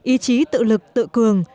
ý chí tự lực tự cường